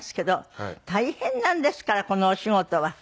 大変なんですからこのお仕事は。